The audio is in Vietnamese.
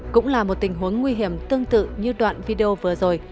cũng là một tình huống nguy hiểm tương tự như đoạn video vừa rồi